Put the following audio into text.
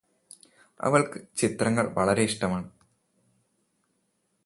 അവൾക്കു ചിത്രങ്ങൾ വളരെ ഇഷ്ടമാണ്